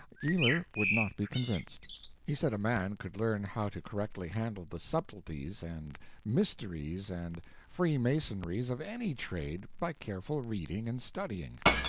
Ealer would not be convinced; he said a man could learn how to correctly handle the subtleties and mysteries and free masonries of any trade by careful reading and studying.